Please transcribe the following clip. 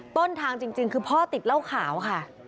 ต้นทางจริงคือพ่อติดเหล้าขาวค่ะ